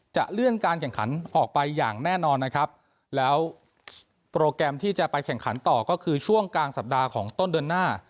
จะเลื่อนการแข่งขันออกไปอย่างแน่นอนนะครับแล้วโปรแกรมที่จะไปแข่งขันต่อก็คือช่วงกลางสัปดาห์ของต้นเดือนหน้า